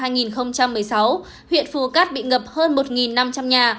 huyện phu cát bị ngập hơn một năm trăm linh nhà